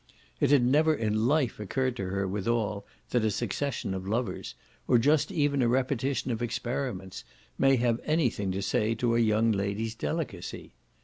It had never in life occurred to her withal that a succession of lovers, or just even a repetition of experiments, may have anything to say to a young lady's delicacy.